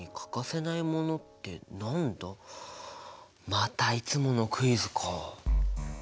またいつものクイズか。